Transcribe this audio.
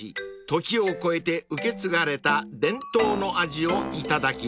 ［時を超えて受け継がれた伝統の味を頂きます］